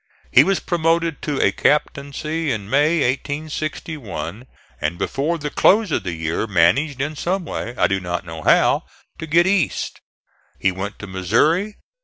He was promoted to a captaincy in May, 1861, and before the close of the year managed in some way, I do not know how, to get East. He went to Missouri.